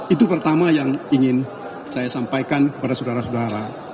itu pertama yang ingin saya sampaikan kepada saudara saudara